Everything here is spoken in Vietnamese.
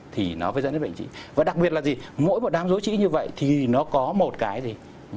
thì nó phải dẫn đến bệnh trĩ